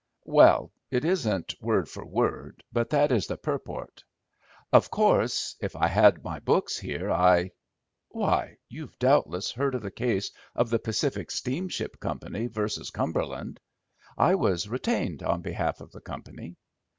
"Well, it isn't word for word, but that is the purport. Of course, if I had my books here, I—why, you've doubtless heard of the case of the Pacific Steamship Company versus Cumberland. I was retained on behalf of the company.